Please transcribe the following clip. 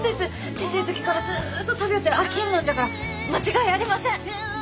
小せえ時からずっと食びょって飽きんのんじゃから間違いありません！